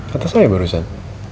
kata saya barusan